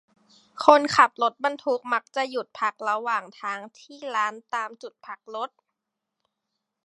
คนขับรถบรรทุกมักจะหยุดพักระหว่างทางที่ร้านตามจุดพักรถ